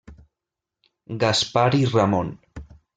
Gaspar i Ramon.